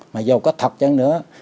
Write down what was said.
mà dù có thật chẳng nữa